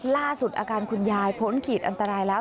ล่าสุดอาการคุณยายพ้นขีดอันตรายแล้ว